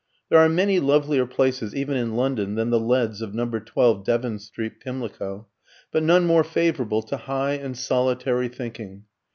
There are many lovelier places even in London than the leads of No. 12 Devon Street, Pimlico, but none more favourable to high and solitary thinking.